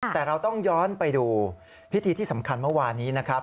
แต่เราต้องย้อนไปดูพิธีที่สำคัญเมื่อวานนี้นะครับ